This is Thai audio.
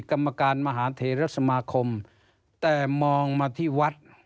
กรรมการมหาเทรสมาคมแต่มองมาที่วัด